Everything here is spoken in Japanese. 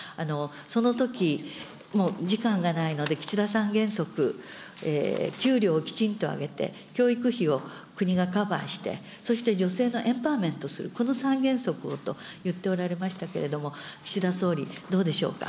そのときも、時間がないので、岸田三原則、給料きちんと上げて、教育費を国がカバーして、そして女性のエンパワーメントする、この三原則をと言っておられましたけれども、岸田総理、どうでしょうか。